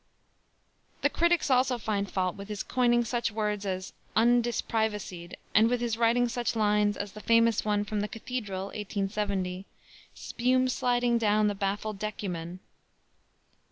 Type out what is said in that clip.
The critics also find fault with his coining such words as "undisprivacied" and with his writing such lines as the famous one from the Cathedral, 1870 "Spume sliding down the baffled decuman."